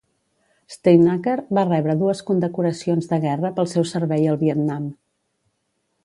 "Steinaker" va rebre dues condecoracions de guerra pel seu servei al Vietnam.